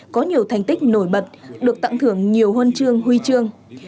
có nhiều thành tích nổi bật được tặng thưởng nhiều huân chương huy chương